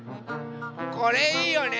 これいいよね。